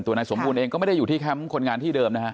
นายสมบูรณ์เองก็ไม่ได้อยู่ที่แคมป์คนงานที่เดิมนะฮะ